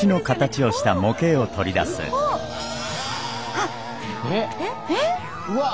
あっえっ？